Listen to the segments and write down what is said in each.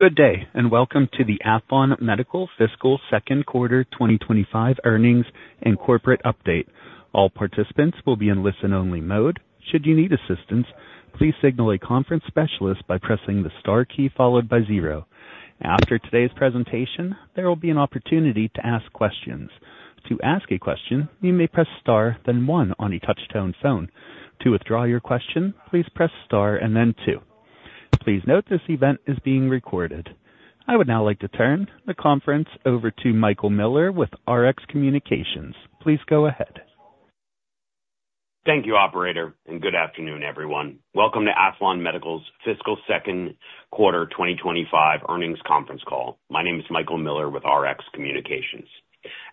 Good day, and welcome to the Aethlon Medical Fiscal Second Quarter 2025 earnings and corporate update. All participants will be in listen-only mode. Should you need assistance, please signal a conference specialist by pressing the star key followed by zero. After today's presentation, there will be an opportunity to ask questions. To ask a question, you may press star, then one on a touch-tone phone. To withdraw your question, please press star and then two. Please note this event is being recorded. I would now like to turn the conference over to Michael Miller with Rx Communications. Please go ahead. Thank you, Operator, and good afternoon, everyone. Welcome to Aethlon Medical's Fiscal Second Quarter 2025 earnings conference call. My name is Michael Miller with Rx Communications.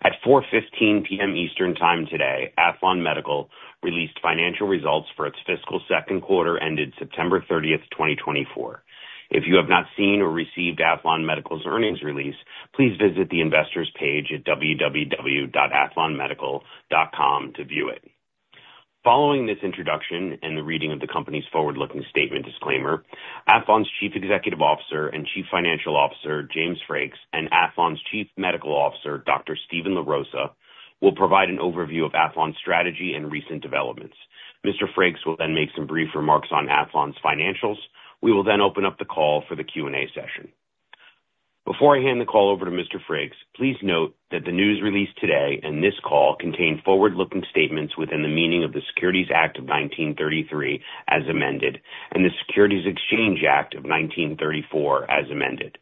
At 4:15 p.m. Eastern Time today, Aethlon Medical released financial results for its fiscal second quarter ended September 30th, 2024. If you have not seen or received Aethlon Medical's earnings release, please visit the investors' page at www.aethlonmedical.com to view it. Following this introduction and the reading of the company's forward-looking statement disclaimer, Aethlon's Chief Executive Officer and Chief Financial Officer, James Frakes, and Aethlon's Chief Medical Officer, Dr. Steven LaRosa, will provide an overview of Aethlon's strategy and recent developments. Mr. Frakes will then make some brief remarks on Aethlon's financials. We will then open up the call for the Q&A session. Before I hand the call over to Mr. Frakes, please note that the news released today and this call contain forward-looking statements within the meaning of the Securities Act of 1933 as amended and the Securities Exchange Act of 1934 as amended.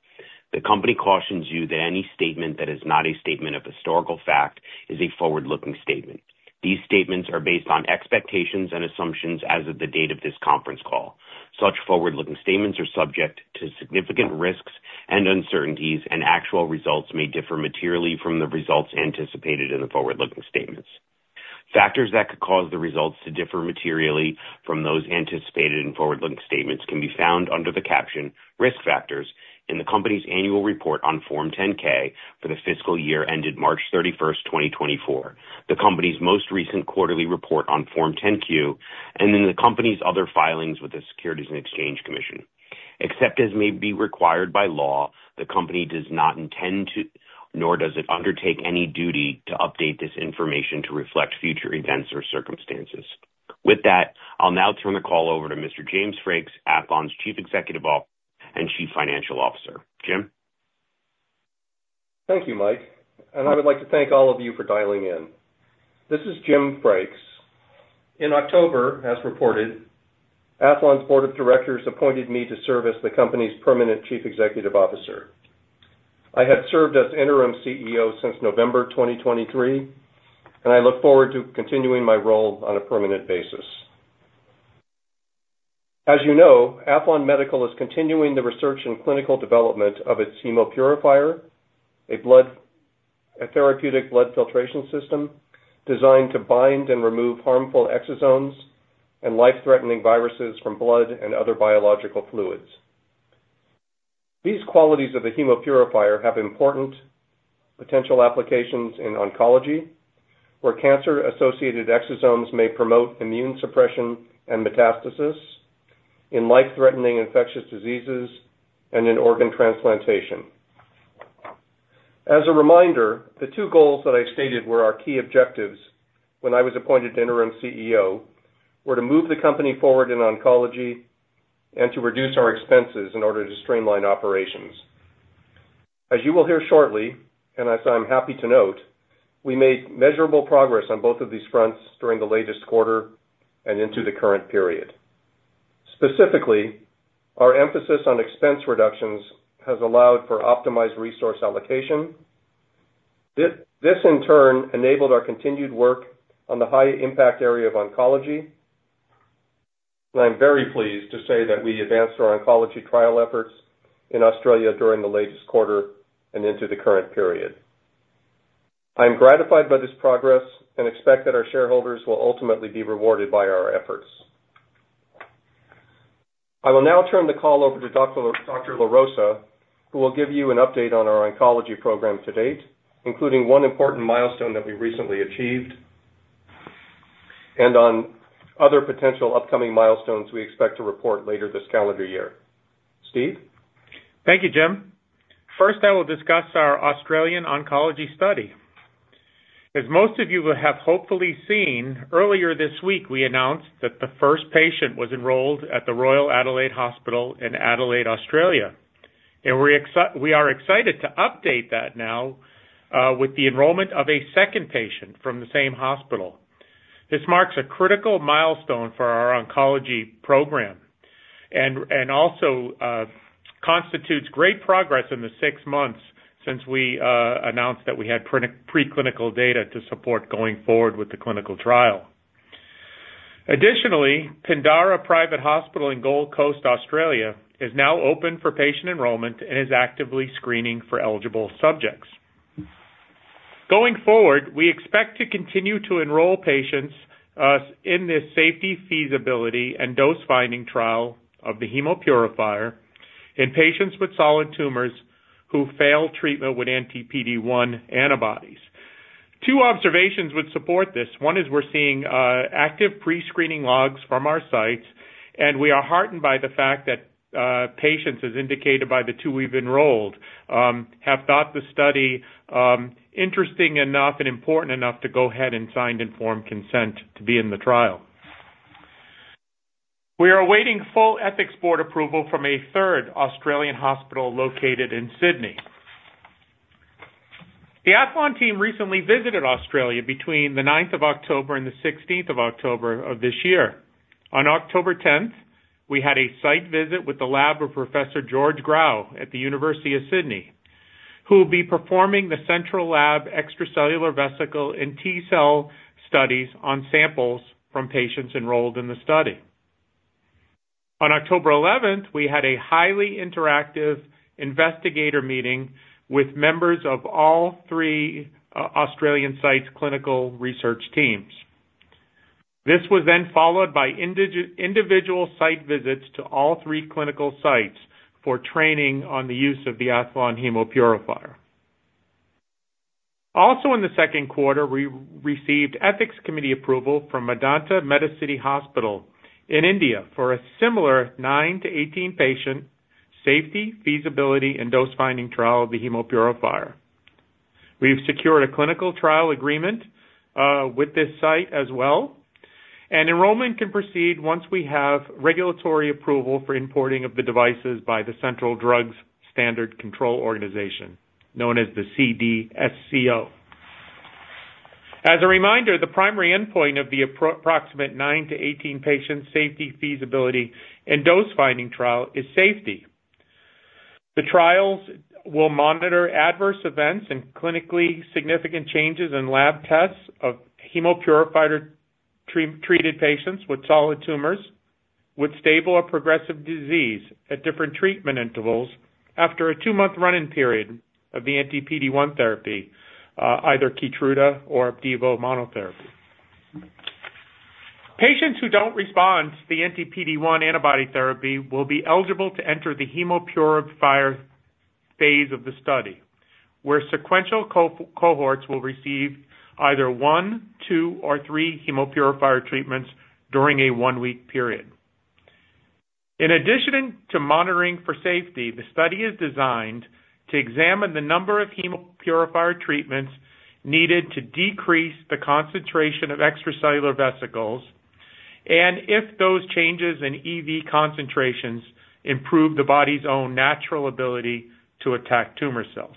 The company cautions you that any statement that is not a statement of historical fact is a forward-looking statement. These statements are based on expectations and assumptions as of the date of this conference call. Such forward-looking statements are subject to significant risks and uncertainties, and actual results may differ materially from the results anticipated in the forward-looking statements. Factors that could cause the results to differ materially from those anticipated in forward-looking statements can be found under the caption "Risk Factors" in the company's annual report on Form 10-K for the fiscal year ended March 31st, 2024, the company's most recent quarterly report on Form 10-Q, and in the company's other filings with the Securities and Exchange Commission. Except as may be required by law, the company does not intend to, nor does it undertake any duty to update this information to reflect future events or circumstances. With that, I'll now turn the call over to Mr. James Frakes, Aethlon's Chief Executive Officer and Chief Financial Officer. Jim? Thank you, Mike, and I would like to thank all of you for dialing in. This is Jim Frakes. In October, as reported, Aethlon's Board of Directors appointed me to serve as the company's permanent Chief Executive Officer. I have served as interim CEO since November 2023, and I look forward to continuing my role on a permanent basis. As you know, Aethlon Medical is continuing the research and clinical development of its Hemopurifier, a therapeutic blood filtration system designed to bind and remove harmful exosomes and life-threatening viruses from blood and other biological fluids. These qualities of the Hemopurifier have important potential applications in oncology, where cancer-associated exosomes may promote immune suppression and metastasis, in life-threatening infectious diseases, and in organ transplantation. As a reminder, the two goals that I stated were our key objectives when I was appointed interim CEO were to move the company forward in oncology and to reduce our expenses in order to streamline operations. As you will hear shortly, and as I'm happy to note, we made measurable progress on both of these fronts during the latest quarter and into the current period. Specifically, our emphasis on expense reductions has allowed for optimized resource allocation. This, in turn, enabled our continued work on the high-impact area of oncology, and I'm very pleased to say that we advanced our oncology trial efforts in Australia during the latest quarter and into the current period. I'm gratified by this progress and expect that our shareholders will ultimately be rewarded by our efforts. I will now turn the call over to Dr. LaRosa, who will give you an update on our oncology program to date, including one important milestone that we recently achieved and on other potential upcoming milestones we expect to report later this calendar year, Steve? Thank you, Jim. First, I will discuss our Australian oncology study. As most of you will have hopefully seen, earlier this week we announced that the first patient was enrolled at the Royal Adelaide Hospital in Adelaide, Australia. And we are excited to update that now with the enrollment of a second patient from the same hospital. This marks a critical milestone for our oncology program and also constitutes great progress in the six months since we announced that we had preclinical data to support going forward with the clinical trial. Additionally, Pindara Private Hospital in Gold Coast, Australia, is now open for patient enrollment and is actively screening for eligible subjects. Going forward, we expect to continue to enroll patients in this safety, feasibility, and dose-finding trial of the Hemopurifier in patients with solid tumors who fail treatment with anti-PD-1 antibodies. Two observations would support this. One is we're seeing active pre-screening logs from our sites, and we are heartened by the fact that patients, as indicated by the two we've enrolled, have thought the study interesting enough and important enough to go ahead and sign informed consent to be in the trial. We are awaiting full ethics board approval from a third Australian hospital located in Sydney. The Aethlon team recently visited Australia between the 9th of October and the 16th of October of this year. On October 10th, we had a site visit with the lab of Professor Georges Grau at the University of Sydney, who will be performing the central lab extracellular vesicle and T-cell studies on samples from patients enrolled in the study. On October 11th, we had a highly interactive investigator meeting with members of all three Australian sites' clinical research teams. This was then followed by individual site visits to all three clinical sites for training on the use of the Aethlon Hemopurifier. Also, in the second quarter, we received ethics committee approval from Medanta Medicity Hospital in India for a similar nine to 18 patient safety, feasibility, and dose-finding trial of the hemopurifier. We've secured a clinical trial agreement with this site as well, and enrollment can proceed once we have regulatory approval for importing of the devices by the Central Drugs Standard Control Organization, known as the CDSCO. As a reminder, the primary endpoint of the approximate nine to 18 patient safety, feasibility, and dose-finding trial is safety. The trials will monitor adverse events and clinically significant changes in lab tests of Hemopurifier-treated patients with solid tumors with stable or progressive disease at different treatment intervals after a two-month running period of the anti-PD-1 therapy, either Keytruda or Opdivo monotherapy. Patients who don't respond to the anti-PD-1 antibody therapy will be eligible to enter the Hemopurifier phase of the study, where sequential cohorts will receive either one, two, or three Hemopurifier treatments during a one-week period. In addition to monitoring for safety, the study is designed to examine the number of Hemopurifier treatments needed to decrease the concentration of extracellular vesicles and if those changes in EV concentrations improve the body's own natural ability to attack tumor cells.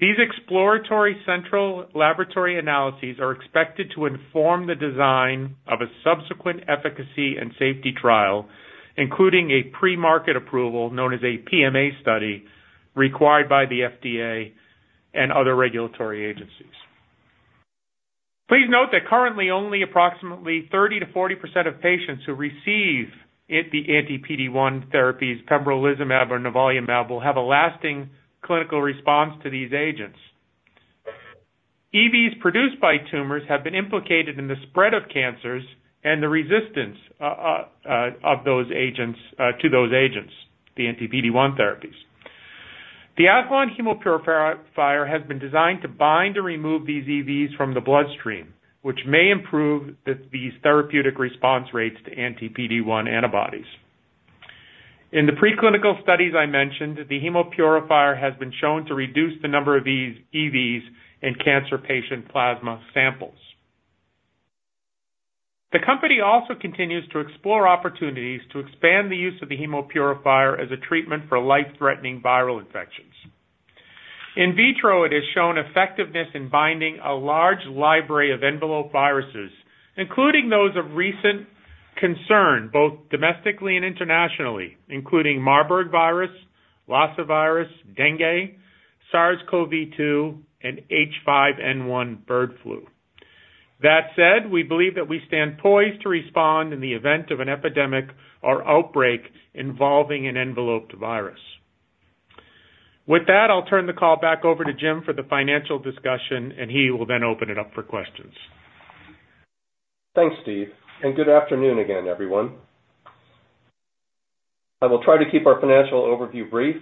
These exploratory central laboratory analyses are expected to inform the design of a subsequent efficacy and safety trial, including a pre-market approval known as a PMA study required by the FDA and other regulatory agencies. Please note that currently only approximately 30%-40% of patients who receive the anti-PD-1 therapies, pembrolizumab or nivolumab, will have a lasting clinical response to these agents. EVs produced by tumors have been implicated in the spread of cancers and the resistance of those agents to those agents, the anti-PD-1 therapies. The Aethlon Hemopurifier has been designed to bind or remove these EVs from the bloodstream, which may improve these therapeutic response rates to anti-PD-1 antibodies. In the preclinical studies I mentioned, the Hemopurifier has been shown to reduce the number of these EVs in cancer patient plasma samples. The company also continues to explore opportunities to expand the use of the Hemopurifier as a treatment for life-threatening viral infections. In vitro, it has shown effectiveness in binding a large library of envelope viruses, including those of recent concern, both domestically and internationally, including Marburg virus, Lassa virus, Dengue, SARS-CoV-2, and H5N1 bird flu. That said, we believe that we stand poised to respond in the event of an epidemic or outbreak involving an enveloped virus. With that, I'll turn the call back over to Jim for the financial discussion, and he will then open it up for questions. Thanks, Steve, and good afternoon again, everyone. I will try to keep our financial overview brief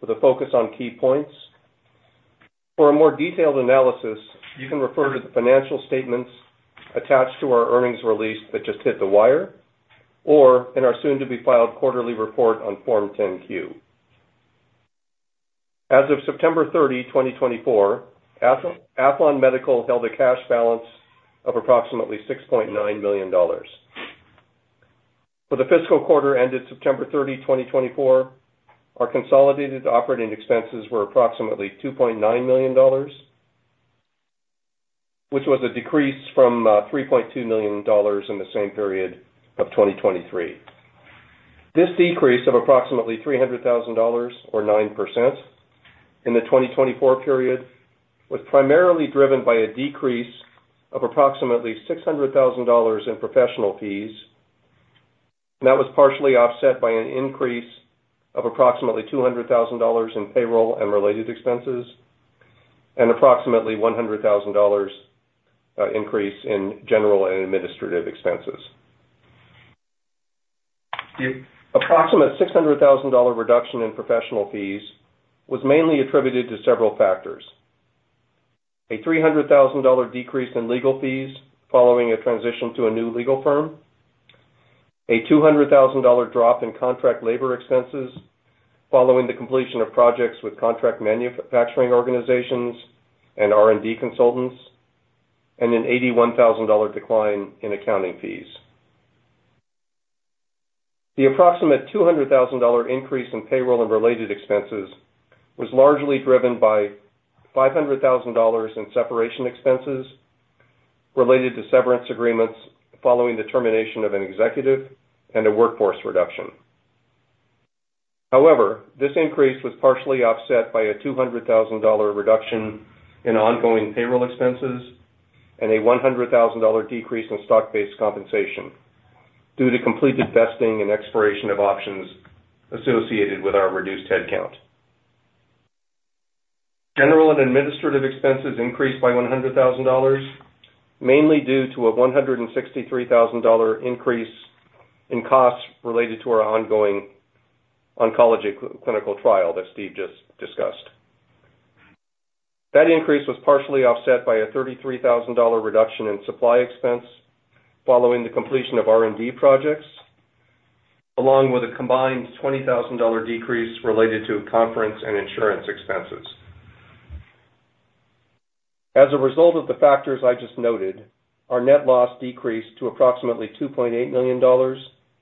with a focus on key points. For a more detailed analysis, you can refer to the financial statements attached to our earnings release that just hit the wire or in our soon-to-be-filed quarterly report on Form 10-Q. As of September 30, 2024, Aethlon Medical held a cash balance of approximately $6.9 million. For the fiscal quarter ended September 30, 2024, our consolidated operating expenses were approximately $2.9 million, which was a decrease from $3.2 million in the same period of 2023. This decrease of approximately $300,000, or 9%, in the 2024 period was primarily driven by a decrease of approximately $600,000 in professional fees. That was partially offset by an increase of approximately $200,000 in payroll and related expenses and approximately $100,000 increase in general and administrative expenses. The approximate $600,000 reduction in professional fees was mainly attributed to several factors: a $300,000 decrease in legal fees following a transition to a new legal firm, a $200,000 drop in contract labor expenses following the completion of projects with contract manufacturing organizations and R&D consultants, and an $81,000 decline in accounting fees. The approximate $200,000 increase in payroll and related expenses was largely driven by $500,000 in separation expenses related to severance agreements following the termination of an executive and a workforce reduction. However, this increase was partially offset by a $200,000 reduction in ongoing payroll expenses and a $100,000 decrease in stock-based compensation due to completed vesting and expiration of options associated with our reduced headcount. General and administrative expenses increased by $100,000, mainly due to a $163,000 increase in costs related to our ongoing oncology clinical trial that Steve just discussed. That increase was partially offset by a $33,000 reduction in supply expense following the completion of R&D projects, along with a combined $20,000 decrease related to conference and insurance expenses. As a result of the factors I just noted, our net loss decreased to approximately $2.8 million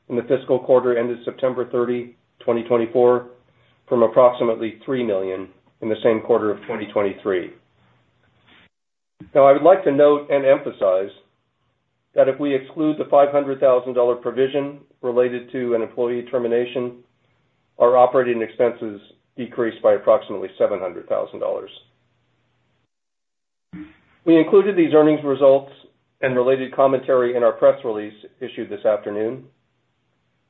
in the fiscal quarter ended September 30, 2024, from approximately $3 million in the same quarter of 2023. Now, I would like to note and emphasize that if we exclude the $500,000 provision related to an employee termination, our operating expenses decreased by approximately $700,000. We included these earnings results and related commentary in our press release issued this afternoon.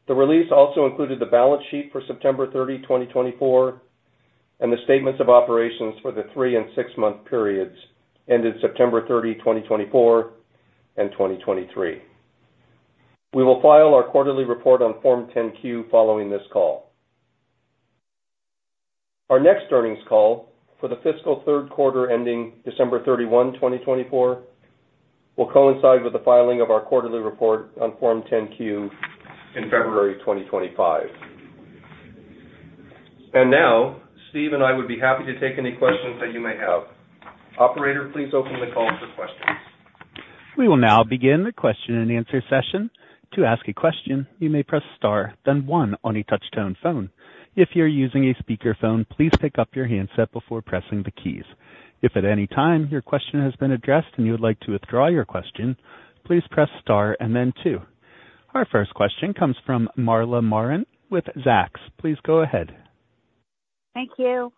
The release also included the balance sheet for September 30, 2024, and the statements of operations for the three and six-month periods ended September 30, 2024, and 2023. We will file our quarterly report on Form 10-Q following this call. Our next earnings call for the fiscal third quarter ending December 31, 2024, will coincide with the filing of our quarterly report on Form 10-Q in February 2025. And now, Steve and I would be happy to take any questions that you may have. Operator, please open the call for questions. We will now begin the question-and-answer session. To ask a question, you may press star, then one on a touch-tone phone. If you're using a speakerphone, please pick up your handset before pressing the keys. If at any time your question has been addressed and you would like to withdraw your question, please press star and then two. Our first question comes from Marla Marin with Zacks. Please go ahead. Thank you.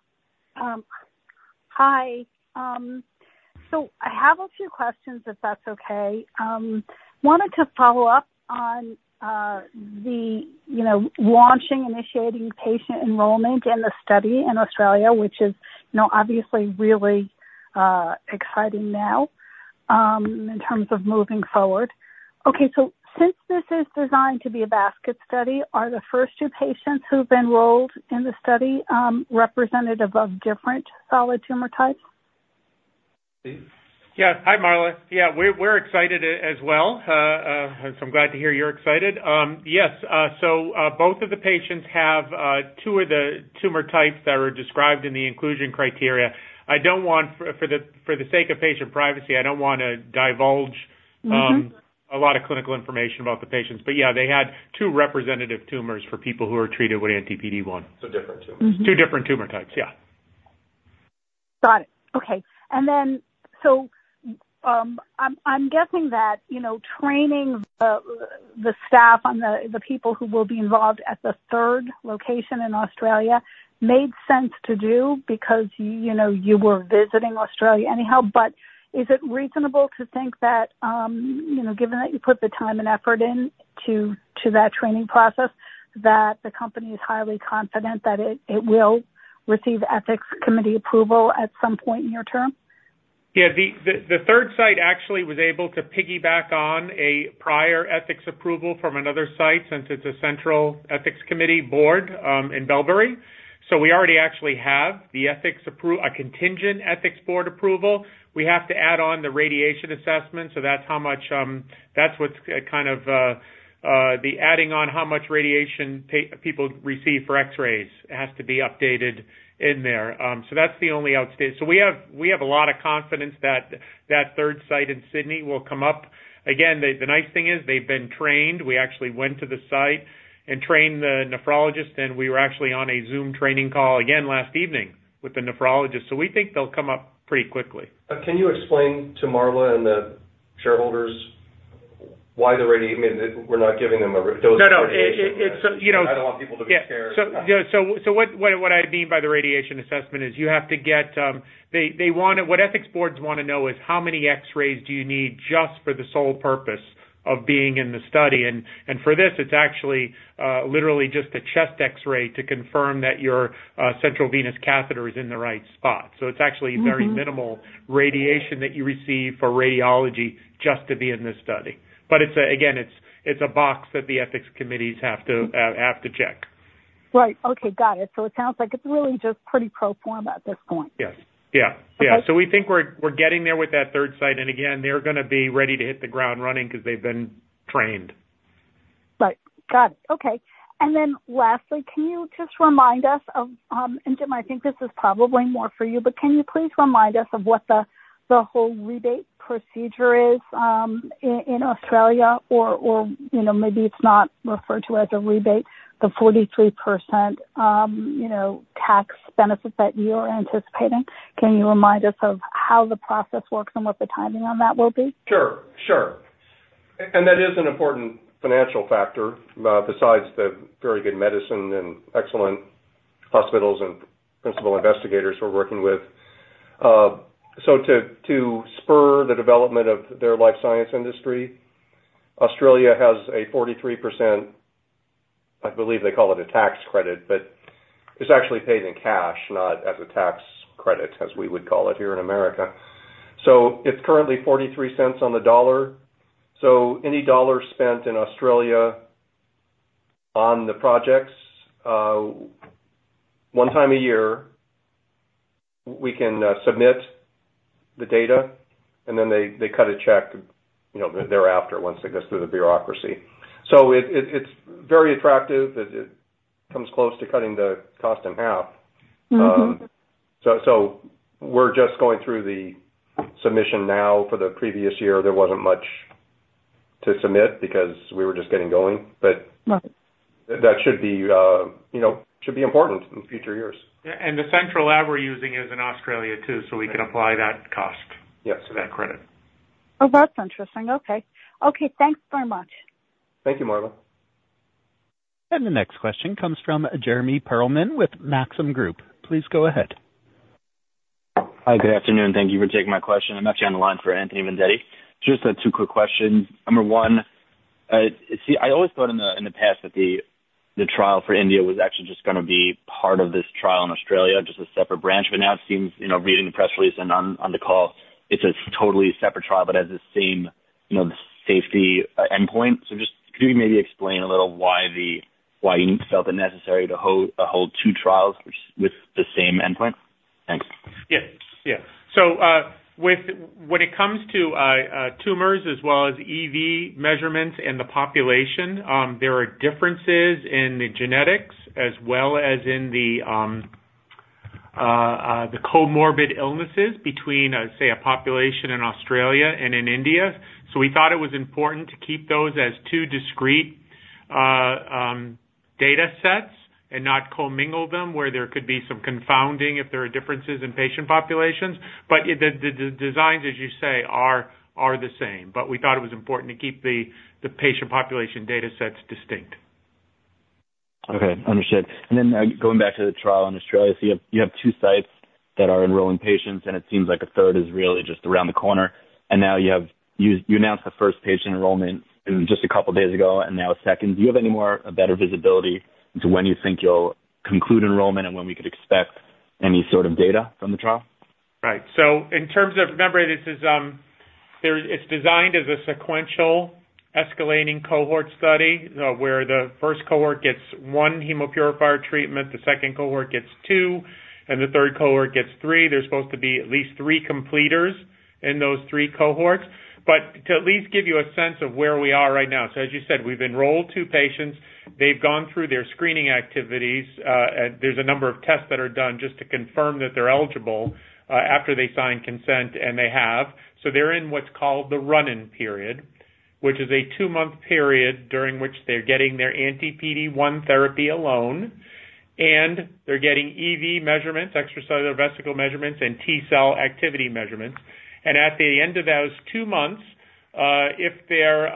Hi, so I have a few questions, if that's okay. I wanted to follow up on the launching, initiating patient enrollment in the study in Australia, which is obviously really exciting now in terms of moving forward. Okay, so since this is designed to be a basket study, are the first two patients who've enrolled in the study representative of different solid tumor types? Yeah. Hi, Marla. Yeah. We're excited as well, so I'm glad to hear you're excited. Yes. So both of the patients have two of the tumor types that are described in the inclusion criteria. I don't want, for the sake of patient privacy, I don't want to divulge a lot of clinical information about the patients. But yeah, they had two representative tumors for people who are treated with anti-PD-1. So different tumors. Two different tumor types. Yeah. Got it. Okay. And then so I'm guessing that training the staff on the people who will be involved at the third location in Australia made sense to do because you were visiting Australia anyhow. But is it reasonable to think that, given that you put the time and effort into that training process, that the company is highly confident that it will receive ethics committee approval at some point near term? Yeah. The third site actually was able to piggyback on a prior ethics approval from another site since it's a central ethics committee board in Bellberry. So we already actually have a contingent ethics board approval. We have to add on the radiation assessment. So that's what's kind of the adding on how much radiation people receive for X-rays has to be updated in there. So that's the only outstanding. So we have a lot of confidence that that third site in Sydney will come up. Again, the nice thing is they've been trained. We actually went to the site and trained the nephrologist, and we were actually on a Zoom training call again last evening with the nephrologist. So we think they'll come up pretty quickly. Can you explain to Marla and the shareholders why the radiation we're not giving them a dose of radiation? No, no. I don't want people to be scared. Yeah. So what I mean by the radiation assessment is, you have to get what ethics boards want to know is how many X-rays do you need just for the sole purpose of being in the study. And for this, it's actually literally just a chest X-ray to confirm that your central venous catheter is in the right spot. So it's actually very minimal radiation that you receive for radiology just to be in this study. But again, it's a box that the ethics committees have to check. Right. Okay. Got it. So it sounds like it's really just pretty pro forma at this point. Yes. Yeah. So we think we're getting there with that third site. And again, they're going to be ready to hit the ground running because they've been trained. Right. Got it. Okay. And then lastly, can you just remind us of and Jim, I think this is probably more for you, but can you please remind us of what the whole rebate procedure is in Australia, or maybe it's not referred to as a rebate, the 43% tax benefit that you are anticipating? Can you remind us of how the process works and what the timing on that will be? Sure. Sure, and that is an important financial factor besides the very good medicine and excellent hospitals and principal investigators we're working with, so to spur the development of their life science industry, Australia has a 43%, I believe they call it a tax credit, but it's actually paid in cash, not as a tax credit, as we would call it here in America, so it's currently 43 cents on the dollar, so any dollar spent in Australia on the projects, one time a year, we can submit the data, and then they cut a check thereafter once it goes through the bureaucracy, so it's very attractive. It comes close to cutting the cost in half, so we're just going through the submission now. For the previous year, there wasn't much to submit because we were just getting going, but that should be important in future years. The central lab we're using is in Australia too, so we can apply that cost To that credit. Oh, that's interesting. Okay. Okay. Thanks very much. Thank you, Marla. And the next question comes from Jeremy Pearlman with Maxim Group. Please go ahead. Hi. Good afternoon. Thank you for taking my question. I'm actually on the line for Anthony Vendetti. Just two quick questions. Number one, I always thought in the past that the trial for India was actually just going to be part of this trial in Australia, just a separate branch. But now it seems, reading the press release and on the call, it's a totally separate trial, but has the same safety endpoint. So just could you maybe explain a little why you felt it necessary to hold two trials with the same endpoint? Thanks. Yeah. Yeah. So when it comes to tumors as well as EV measurements and the population, there are differences in the genetics as well as in the comorbid illnesses between, say, a population in Australia and in India. So we thought it was important to keep those as two discrete data sets and not commingle them where there could be some confounding if there are differences in patient populations. But the designs, as you say, are the same. But we thought it was important to keep the patient population data sets distinct. Okay. Understood. And then going back to the trial in Australia, so you have two sites that are enrolling patients, and it seems like a third is really just around the corner. And now you announced the first patient enrollment just a couple of days ago, and now a second. Do you have any more better visibility into when you think you'll conclude enrollment and when we could expect any sort of data from the trial? Right. So in terms of, remember, it's designed as a sequential escalating cohort study where the first cohort gets one Hemopurifier treatment, the second cohort gets two, and the third cohort gets three. There's supposed to be at least three completers in those three cohorts. But to at least give you a sense of where we are right now, so as you said, we've enrolled two patients. They've gone through their screening activities. There's a number of tests that are done just to confirm that they're eligible after they sign consent, and they have. So they're in what's called the run-in period, which is a two-month period during which they're getting their anti-PD-1 therapy alone, and they're getting EV measurements, extracellular vesicle measurements, and T-cell activity measurements. At the end of those two months, if their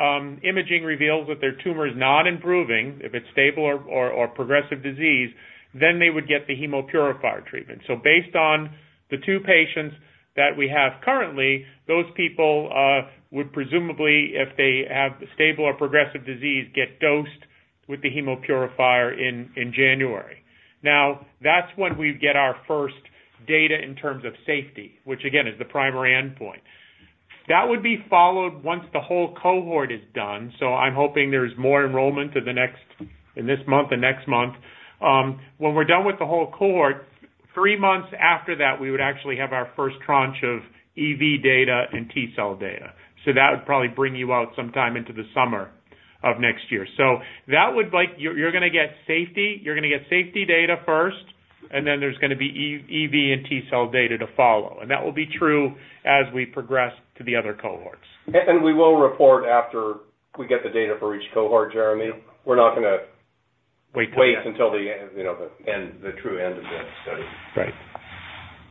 imaging reveals that their tumor is not improving, if it's stable or progressive disease, then they would get the Hemopurifier treatment. Based on the two patients that we have currently, those people would presumably, if they have stable or progressive disease, get dosed with the Hemopurifier in January. Now, that's when we get our first data in terms of safety, which, again, is the primary endpoint. That would be followed once the whole cohort is done. I'm hoping there's more enrollment in this month and next month. When we're done with the whole cohort, three months after that, we would actually have our first tranche of EV data and T-cell data. That would probably bring you out sometime into the summer of next year. You're going to get safety. You're going to get safety data first, and then there's going to be EV and T-cell data to follow, and that will be true as we progress to the other cohorts. We will report after we get the data for each cohort, Jeremy. We're not going to wait until the true end of the study. Right.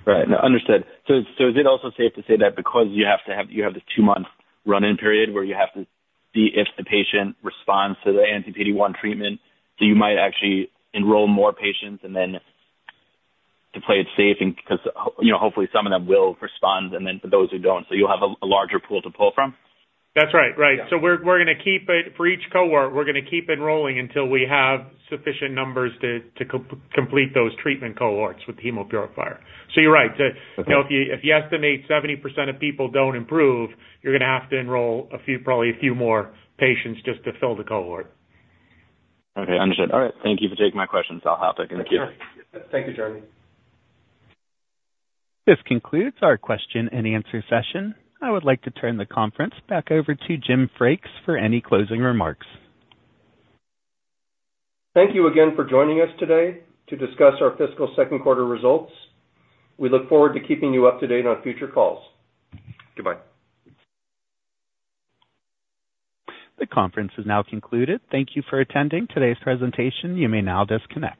Right. Understood. So is it also safe to say that because you have this two-month run-in period where you have to see if the patient responds to the anti-PD-1 treatment, so you might actually enroll more patients and then to play it safe because hopefully some of them will respond, and then for those who don't, so you'll have a larger pool to pull from? That's right. Right. So we're going to keep it for each cohort. We're going to keep enrolling until we have sufficient numbers to complete those treatment cohorts with the Hemopurifier. So you're right. If you estimate 70% of people don't improve, you're going to have to enroll probably a few more patients just to fill the cohort. Okay. Understood. All right. Thank you for taking my questions. I'll have it. Thank you. Thank you, Jeremy. This concludes our question-and-answer session. I would like to turn the conference back over to Jim Frakes for any closing remarks. Thank you again for joining us today to discuss our fiscal second quarter results. We look forward to keeping you up to date on future calls. Goodbye. The conference is now concluded. Thank you for attending today's presentation. You may now disconnect.